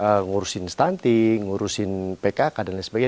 ya mengurusin stunting mengurusin pkk dan lain sebagainya